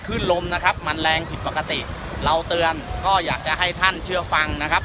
ขึ้นลมนะครับมันแรงผิดปกติเราเตือนก็อยากจะให้ท่านเชื่อฟังนะครับ